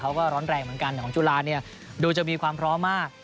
เขาก็ร้อนแรงเหมือนกันของจุฬาเนี่ยดูจะมีความพร้อมมาก